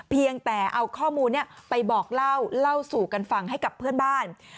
เพียงแต่เอาข้อมูลนี้ไปบอกเล่าเล่าสู่กันฟังให้กับเพื่อนบ้าน